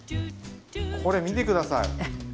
これ見て下さい！